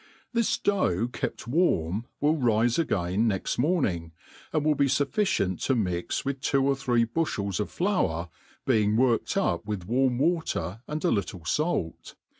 This dough kept warm will rife again next morning, and will h? fuiEcient to mix with two or three bufhels of flour, being worked up with warm water and a little fait.